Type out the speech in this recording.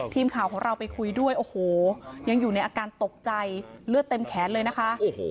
ทีมข่าวของเราไปคุยด้วยโอ้โหยังอยู่ในอาการตกใจเลือดเต็มแขนเลยนะคะ